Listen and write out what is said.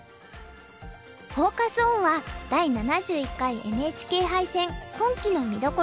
フォーカス・オンは「第７１回ＮＨＫ杯戦今期の見どころは」。